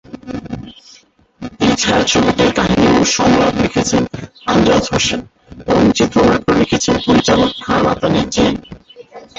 এই ছায়াছবিটির কাহিনী ও সংলাপ লিখেছেন আমজাদ হোসেন এবং চিত্রনাট্য লিখেছেন পরিচালক খান আতা নিজেই।